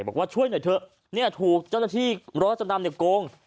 บอกว่าช่วยหน่อยเถอะเนี่ยถูกเจ้าหน้าที่รถจำนำเนี่ยโกง